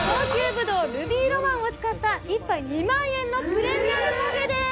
ぶどうルビーロマンを使った１杯２万円のプレミアムパフェです。